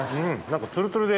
何か。